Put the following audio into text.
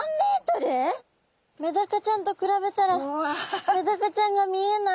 メダカちゃんと比べたらメダカちゃんが見えない。